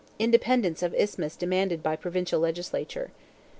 Independence of Isthmus demanded by provincial legislature.